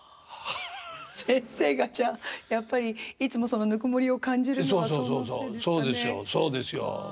先生がじゃあやっぱりいつもそのぬくもりを感じるのはそのせいですかね。